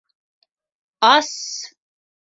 Ас!